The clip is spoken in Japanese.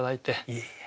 いえいえ。